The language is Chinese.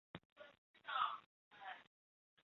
墨翟着书号墨子。